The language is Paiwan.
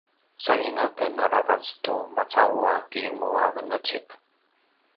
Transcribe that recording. saljinga aken aravac tu maca’u a kirimu a venecik